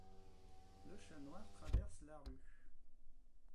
le chât noir traverse la rue